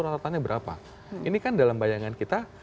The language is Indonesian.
ratatannya berapa ini kan dalam bayangan kita